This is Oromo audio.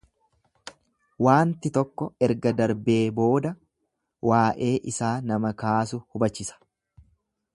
Waanti tokko erga darbee booda waa'ee isaa nama kaasu hubachisa.